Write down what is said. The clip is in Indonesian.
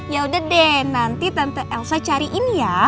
yaudah deh nanti tante elsa cariin ya